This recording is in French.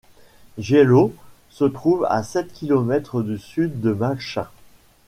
Gielow se trouve à sept kilomètres au sud de Malchin.